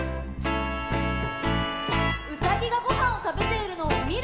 「うさぎがごはんをたべているのをみる」